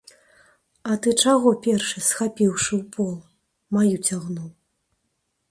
А ты чаго першы, схапіўшы ўпол, маю цягнуў?